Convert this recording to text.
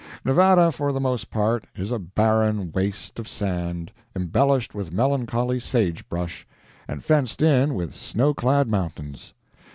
Nevada, for the most part, is a barren waste of sand, embellished with melancholy sage brush, and fenced in with snow clad mountains.